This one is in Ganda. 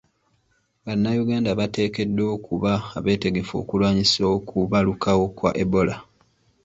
Bannayuganda bateekeddwa okuba abeetegefu okulwanisa okubalukawo kwa ebola.